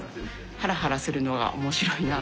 ハラハラするのが面白いなと思います。